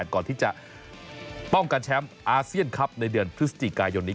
ก่อนที่จะป้องกันแชมป์อาเซียนครับในเดือนพฤศจิกายนนี้